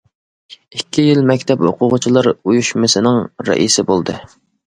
ئىككى يىل مەكتەپ ئوقۇغۇچىلار ئۇيۇشمىسىنىڭ رەئىسى بولدى.